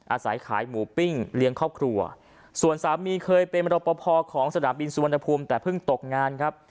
อาศัยขายหมูปิ้งเลี้ยงครอบครัวส่วนสามีเคยเป็นรอปภของสนามบินสุวรรณภูมิแต่เพิ่งตกงานครับ